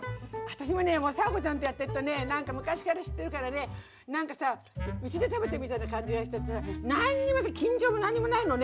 私もね佐和子ちゃんとやってるとね何か昔から知ってるからね何かさうちで食べてるみたいな感じがしちゃってさ何にもさ緊張も何にもないのね。